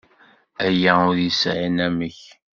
Aya ur yesɛi anamek.